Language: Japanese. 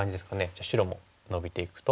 じゃあ白もノビていくと。